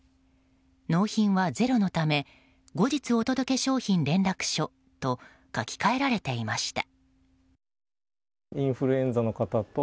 納品はゼロのため後日お届商品連絡書と書き換えられていました。